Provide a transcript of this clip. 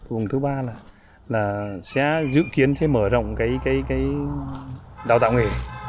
vùng thứ ba là sẽ dự kiến sẽ mở rộng cái đào tạo nghề